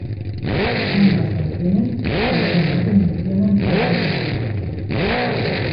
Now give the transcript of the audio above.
Ambas canciones, por otra parte mencionan a la lluvia.